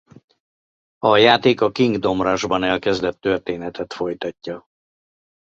A játék a Kingdom Rush-ban elkezdett történetet folytatja.